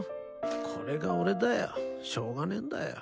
これが俺だよしょうがねえんだよ。